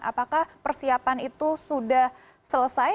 apakah persiapan itu sudah selesai